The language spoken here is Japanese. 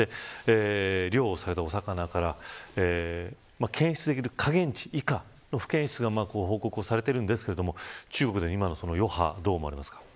漁獲された魚から検出される下限値以下不検出と報道されていますが中国での余波どう思われますか。